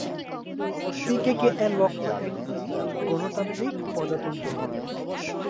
পিকেকে এর লক্ষ্য একটি "গণতান্ত্রিক প্রজাতন্ত্র"।